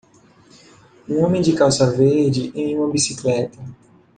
um homem de calça verde em uma bicicleta.